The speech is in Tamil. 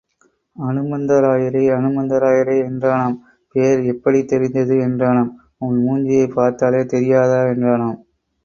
அனுமந்தராயரே, அனுமந்தராயரே என்றானாம் பேர் எப்படித் தெரிந்தது என்றானாம் உன் மூஞ்சியைப் பார்த்தாலே தெரியாதா என்றானாம்.